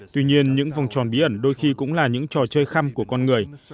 tuy nhiên những vòng tròn bí ẩn đôi khi cũng là những trò chơi khăm của con người